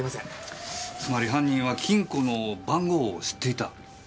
つまり犯人は金庫の番号を知っていた？